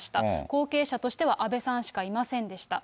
後継者としては安倍さんしかいませんでした。